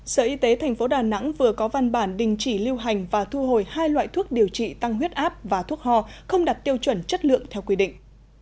sở y tế tp đà nẵng vừa có văn bản đình chỉ lưu hành và thu hồi hai loại thuốc điều trị tăng huyết áp và thuốc hò không đặt tiêu chuẩn chất lượng theo quy định